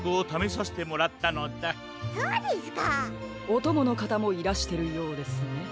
おとものかたもいらしてるようですね。